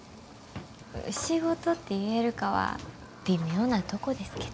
仕事って言えるかは微妙なとこですけど。